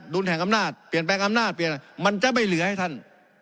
แห่งอำนาจเปลี่ยนแปลงอำนาจเปลี่ยนอะไรมันจะไม่เหลือให้ท่าน